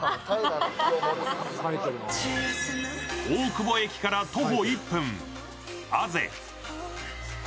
大久保駅から徒歩１分、味在。